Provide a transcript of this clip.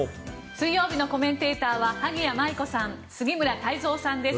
水曜日のコメンテーターは萩谷麻衣子さん杉村太蔵さんです。